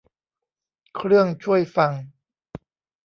เครื่องช่วยฟัง